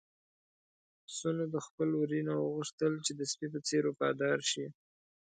پسونو د خپل وري نه وغوښتل چې د سپي په څېر وفادار شي.